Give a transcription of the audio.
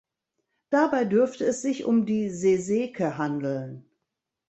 Dabei dürfte es sich um die Seseke handeln.